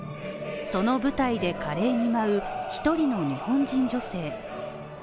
その舞台で華麗に舞う一人の日本人女性。